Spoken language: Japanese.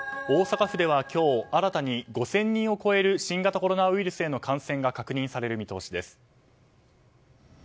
大阪府では今日新たに５０００人を超える新型コロナウイルスへの感染が確認される見通しです。